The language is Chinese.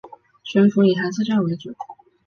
全幅以寒色调为主